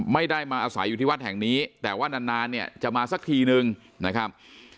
ไม่ได้มาอาศัยอยู่ที่วัดแห่งนี้แต่ว่านานนานเนี่ยจะมาสักทีนึงนะครับ